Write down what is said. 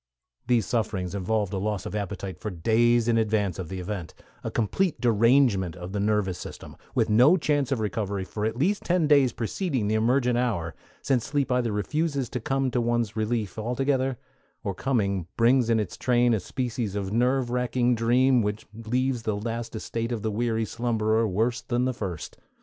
These sufferings involve a loss of appetite for days in advance of the event; a complete derangement of the nervous system, with no chance of recovery for at least ten days preceding the emergent hour, since sleep either refuses to come to one's relief altogether, or coming brings in its train a species of nerve racking dream which leaves the last estate of the weary slumberer worse than the first.